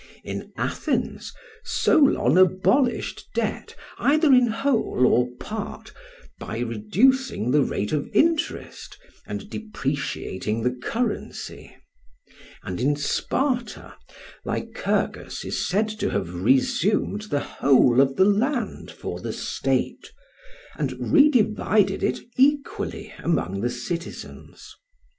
In Athens, Solon abolished debt, either in whole or part, by reducing the rate of interest and depreciating the currency; and in Sparta Lycurgus is said to have resumed the whole of the land for the state, and redivided it equally among the citizens.